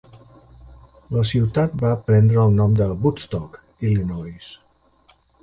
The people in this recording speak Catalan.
La ciutat va prendre el nom de Woodstock, Illinois.